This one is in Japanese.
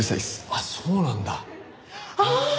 あっそうなんだ。ああ！